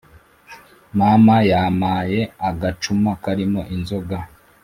Mama yamaye agacuma karimo inzoga